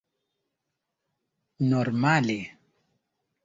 normale